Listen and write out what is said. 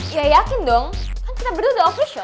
ya yakin dong kan kita berdua udah official